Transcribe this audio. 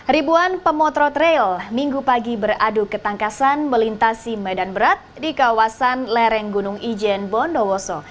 ribuan pemotro trail minggu pagi beradu ketangkasan melintasi medan berat di kawasan lereng gunung ijen bondowoso